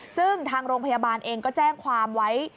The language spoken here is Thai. ซึ่งทางโรงพยาบาลเองก็แจ้งความไว้